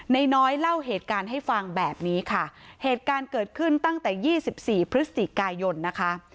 น้อยเล่าเหตุการณ์ให้ฟังแบบนี้ค่ะเหตุการณ์เกิดขึ้นตั้งแต่ยี่สิบสี่พฤศจิกายนนะคะ